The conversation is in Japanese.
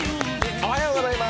おはようございます。